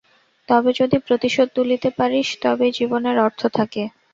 তবে যদি প্রতিশোধ তুলিতে পারিস তবেই জীবনের অর্থ থাকে।